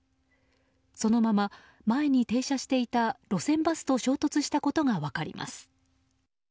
そのまま前に停車していた路線バスと衝突したことが分かります。